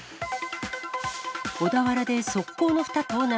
小田原で側溝のふた盗難。